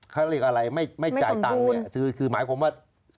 เขาเรียกอะไรไม่จ่ายตังค์เนี่ยคือหมายความว่า